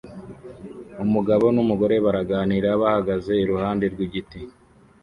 Umugabo numugore baraganira bahagaze iruhande rwigiti